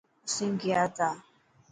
اسين گيا ٿا.